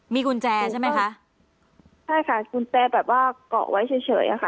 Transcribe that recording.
มีกุญแจใช่ไหมคะใช่ค่ะกุญแจแบบว่าเกาะไว้เฉยเฉยอะค่ะ